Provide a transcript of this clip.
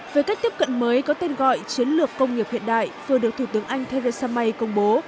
về cách tiếp cận mới có tên gọi chiến lược công nghiệp hiện đại vừa được thủ tướng anh theresa may công bố